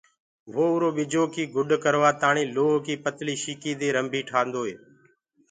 وو اُرو ٻجو ڪي گُڏ ڪروآ تآڻي لوهڪي پتݪي شيڪي دي رنڀي ٺآندوئي۔